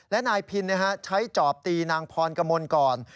และนายพินใช้จอบตีนางพรกมลก่อน